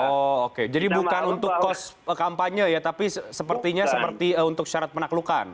oh oke jadi bukan untuk kos kampanye ya tapi sepertinya seperti untuk syarat penaklukan